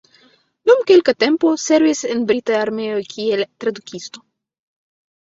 Dum kelka tempo servis en brita armeo kiel tradukisto.